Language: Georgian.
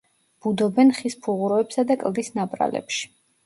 ბუდობენ ხის ფუღუროებსა და კლდის ნაპრალებში.